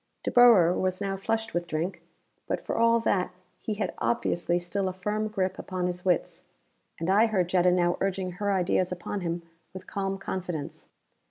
De Boer was now flushed with drink, but for all that he had obviously still a firm grip upon his wits. And I heard Jetta now urging her ideas upon him with calm confidence.